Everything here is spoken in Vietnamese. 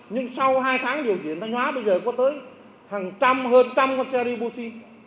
nhưng sau hai tháng điều chuyển thanh hóa bây giờ có tới hàng trăm hơn trăm con xe đi putin